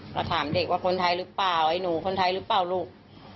เราถามเด็กว่าคนไทยหรือเปล่าไอ้หนูคนไทยหรือเปล่าลูก